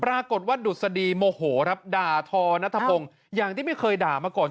ปรากฏว่าดุษฎีโมโหครับด่าทอนัทธพงศ์อย่างที่ไม่เคยด่ามาก่อน